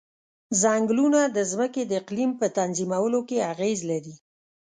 ځنګلونه د ځمکې د اقلیم په تنظیمولو کې اغیز لري.